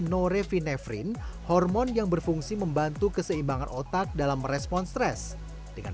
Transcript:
norevinefrin hormon yang berfungsi membantu keseimbangan otak dalam merespon stres dengan